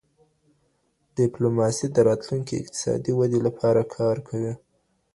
ډيپلوماسي د راتلونکي اقتصادي ودې لپاره کار کوي.